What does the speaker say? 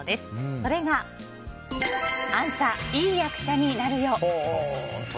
それがあんた、いい役者になるよ。